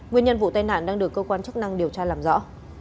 nguyên nhân vụ tai nạn đang được cơ quan chức năng điều tra làm rõ